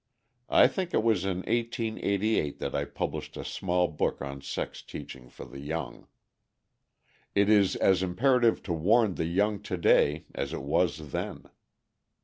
I think it was in 1888 that I published a small book on sex teaching for the young. It is as imperative to warn the young to day as it was then.